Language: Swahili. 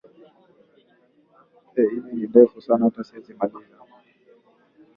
Ni hatua ya kimkakati ambayo kufanya biashara na bara la Kiswahili